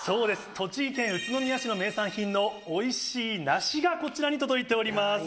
栃木県宇都宮市の名産品のおいしい梨がこちらに届いております。